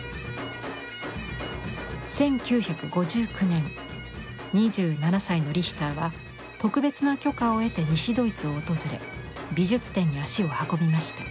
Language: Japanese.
１９５９年２７歳のリヒターは特別な許可を得て西ドイツを訪れ美術展に足を運びました。